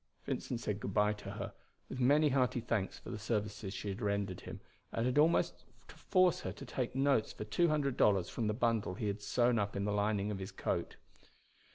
Vincent said good by to her, with many hearty thanks for the services she had rendered him, and had almost to force her to take notes for two hundred dollars from the bundle he had sewn up in the lining of his coat.